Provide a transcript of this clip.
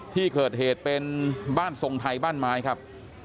ที่เกิดเหตุเป็นบ้านทรงไทยบ้านไม้ครับ